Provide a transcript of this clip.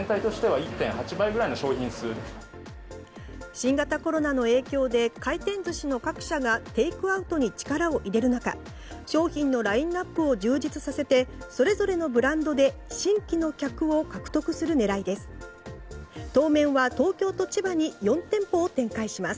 新型コロナの影響で回転寿司の各社がテイクアウトに力を入れる中商品のラインアップを充実させてそれぞれのブランドで新規の客を獲得する狙いです。